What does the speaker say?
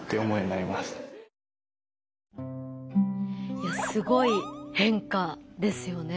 いやすごい変化ですよね。